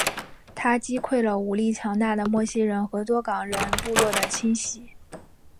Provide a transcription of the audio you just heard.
他击溃了武力强大的莫西人和多冈人部落的侵袭。